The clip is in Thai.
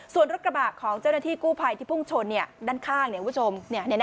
ส่วนรถกระบะของเจ้าหน้าที่กู้ภัยที่พุ่งชนด้านข้างคุณผู้ชม